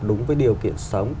đúng với điều kiện sống